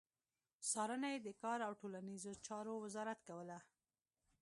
څارنه يې د کار او ټولنيزو چارو وزارت کوله.